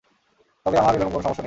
তবে আমার এরকম কোনো সমস্যা নেই!